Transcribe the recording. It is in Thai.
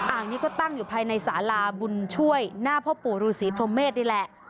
นี้ก็ตั้งอยู่ภายในสาราบุญช่วยหน้าพ่อปู่ฤษีพรหมเมษนี่แหละ